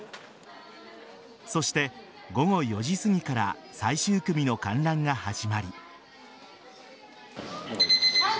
そして午後４時すぎから最終組の観覧が始まり。